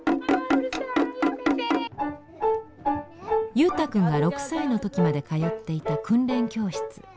祐太君が６歳の時まで通っていた訓練教室。